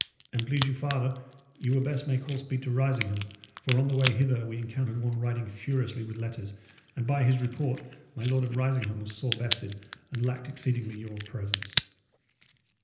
"And please you farther, ye were best make all speed to Risingham; for on the way hither we encountered one riding furiously with letters, and by his report, my Lord of Risingham was sore bested, and lacked exceedingly your presence."